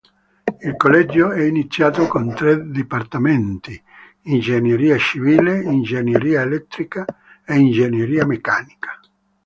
Il collegio è iniziato con tre dipartimenti: ingegneria civile, ingegneria elettrica e ingegneria meccanica.